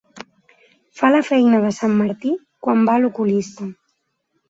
Fa la feina de sant Martí quan va a l'oculista.